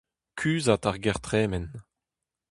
Kuzhat ar ger-tremen.